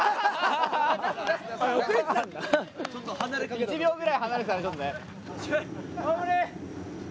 １秒くらい離れてたね、ちょっとね。